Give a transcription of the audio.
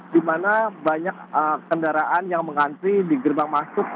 di mana banyak kendaraan yang mengantri di gerbang masuk